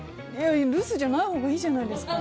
留守じゃないほうがいいじゃないですか。